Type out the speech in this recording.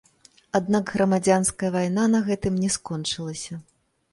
Аднак грамадзянская вайна на гэтым не скончылася.